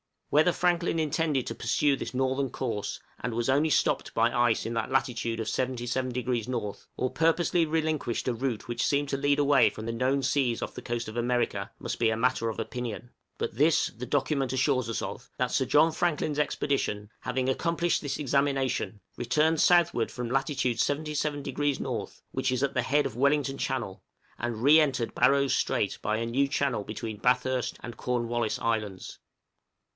Whether Franklin intended to pursue this northern course, and was only stopped by ice in that latitude of 77° north, or purposely relinquished a route which seemed to lead away from the known seas off the coast of America, must be a matter of opinion; but this the document assures us of, that Sir John Franklin's Expedition, having accomplished this examination, returned southward from latitude 77° north, which is at the head of Wellington Channel, and re entered Barrow's Strait by a new channel between Bathurst and Cornwallis Islands.